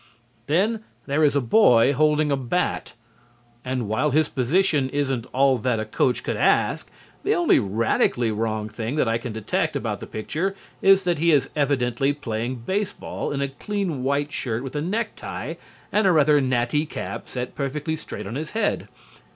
Then there is a boy holding a bat, and while his position isn't all that a coach could ask, the only radically wrong thing that I can detect about the picture is that he is evidently playing baseball in a clean white shirt with a necktie and a rather natty cap set perfectly straight on his head.